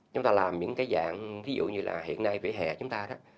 chúng ta làm những cái dạng ví dụ như là hiện nay phía hè chúng ta